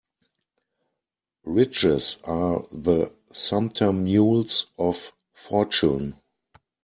Riches are the sumpter mules of fortune.